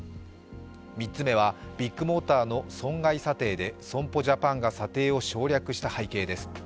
３つ目はビッグモーターの損害査定で損保ジャパンが査定を省略した背景です。